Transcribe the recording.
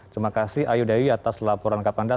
terima kasih ayu dayu atas laporan kapan da